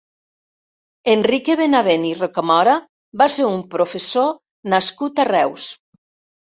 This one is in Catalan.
Enrique Benavent i Rocamora va ser un professor nascut a Reus.